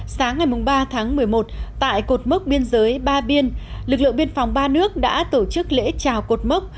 sáng ngày ba tháng một mươi một tại cột mốc biên giới ba biên lực lượng biên phòng ba nước đã tổ chức lễ trào cột mốc